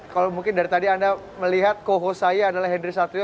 kalau mungkin dari tadi anda melihat cohos saya adalah henry satrio